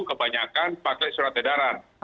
kebanyakan pakai surat edaran